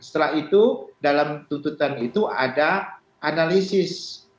setelah itu dalam tuntutan itu ada analisis